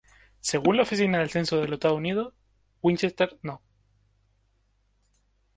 Según la Oficina del Censo de los Estados Unidos, Winchester No.